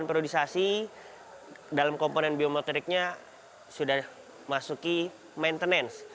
delapan periodisasi dalam komponen biomotoriknya sudah masuki maintenance